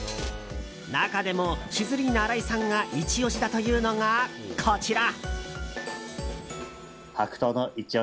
中でも、シズリーナ荒井さんがイチ押しだというのがこちら！